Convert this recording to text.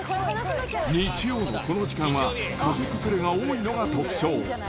日曜のこの時間は、家族連れが多いのが特徴。